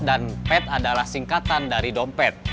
dan pet adalah singkatan dari dompet